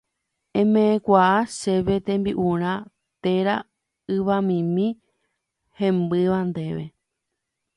eme'ẽkuaa chéve tembi'urã térã yvamimi hembýva ndéve